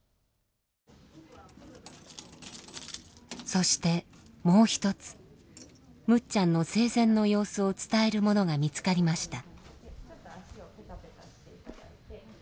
そしてもう一つむっちゃんの生前の様子を伝えるものが見つかりました。